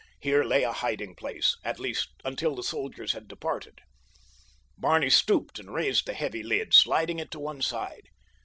Here lay a hiding place, at least until the soldiers had departed. Barney stooped and raised the heavy lid, sliding it to one side.